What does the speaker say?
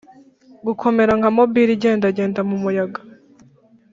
gukomera nka mobile igendagenda mu muyaga,